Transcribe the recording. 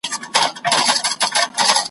دا لاله دا سره ګلونه `